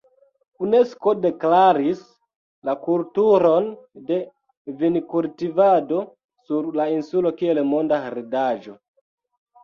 Unesko deklaris la kulturon de vinkultivado sur la insulo kiel monda heredaĵo.